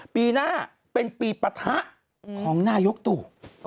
ปีหน้าเป็นปีปะทะของนายกตู่